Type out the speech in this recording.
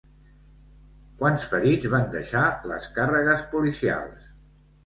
Quants ferits van deixar les càrregues policials?